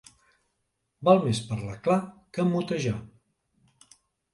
Val més parlar clar que motejar.